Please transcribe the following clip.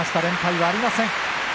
連敗はありません。